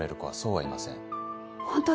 はい。